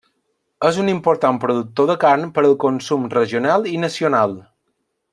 És un important productor de carn per al consum regional i nacional.